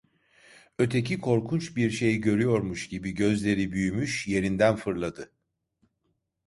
Öteki korkunç bir şey görüyormuş gibi gözleri büyümüş, yerinden fırladı.